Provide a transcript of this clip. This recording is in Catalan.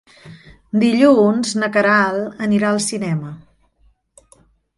Dilluns na Queralt anirà al cinema.